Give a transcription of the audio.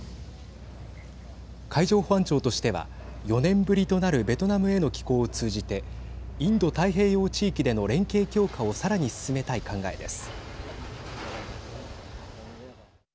海上保安庁としては４年ぶりとなるベトナムへの寄港を通じてインド太平洋地域での連携強化をさらに進めたい考えです。